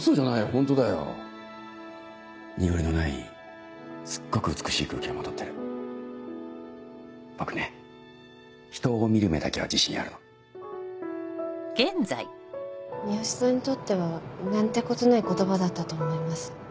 ホントだよ濁りのないすっごく美しい空気をまと僕ね人を見る目だけは自信あるの三好さんにとっては何てことない言葉だったと思います。